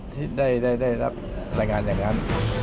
ที่ได้รับรายงานอย่างนั้น